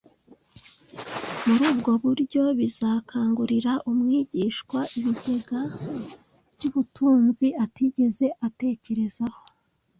muri ubwo buryo bizakingurira umwigishwa ibigega by’ubutunzi atigeze atekerezaho